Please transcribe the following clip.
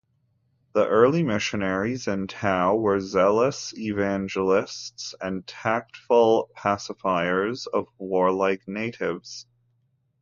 The early missionaries in Tuao were zealous evangelists and tactful pacifiers of warlike natives.